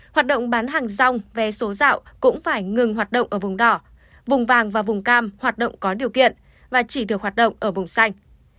hoạt động bán hàng rong vé số dạo cũng phải ngừng hoạt động ở vùng đỏ vùng vàng và vùng cam hoạt động có điều kiện và chỉ được hoạt động ở vùng xanh